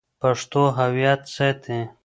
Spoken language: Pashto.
پښتو هویت ساتي.